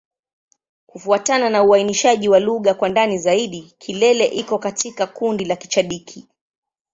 Kufuatana na uainishaji wa lugha kwa ndani zaidi, Kilele iko katika kundi la Kichadiki.